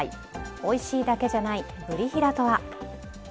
おいしいだけじゃないブリヒラとは？